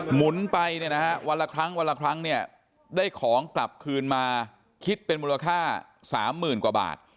หมุนไปวันละครั้งได้ของกลับคืนมาคิดเป็นมูลค่า๓๐๐๐๐กว่าบาท